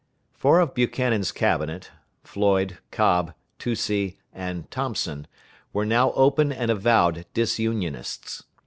Four of Buchanan's Cabinet Floyd, Cobb, Toucey, and Thompson were now open and avowed Disunionists.